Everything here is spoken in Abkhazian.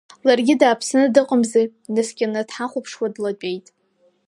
Ларгьы дааԥсаны дыҟамзи, днаскьаны дҳахәаԥшуа длатәеит.